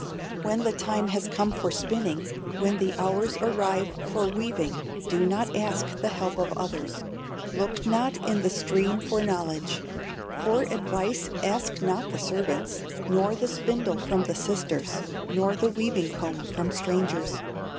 "When the time has come for spinning, When the hours arrive for weaving, Do not ask the help of others, Look not in the stream for knowledge, For advice ask not the servants, Nor the spindle from the sisters, Nor the weaving comb from strangers.